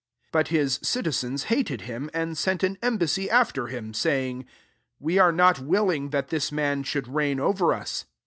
14 But his citizens hated him, and sent an embassy after him, saying, ' We are not willing that this mem should reign over us.'